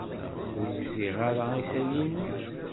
Ur gziɣ ara isali-nni.